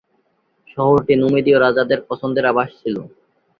শহরটি নুমিদীয় রাজাদের পছন্দের আবাস ছিল।